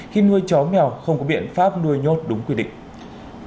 khi nuôi chó mèo không có biện pháp nuôi nhốt đúng quy định